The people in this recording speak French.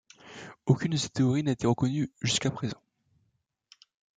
Aucune de ces théories n'a été reconnue jusqu'à présent.